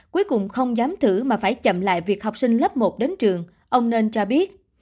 cuối cùng không dám thử mà phải chậm lại việc học sinh lớp một đến trường ông nên cho biết